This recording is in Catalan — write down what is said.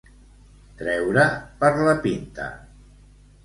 Treure per la pinta.